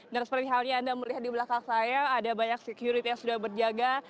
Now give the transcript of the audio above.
dan seperti halnya anda melihat di belakang saya ada banyak security yang sudah berjaga